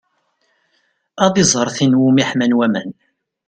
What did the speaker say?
Ad iẓer tin iwumi ḥman waman.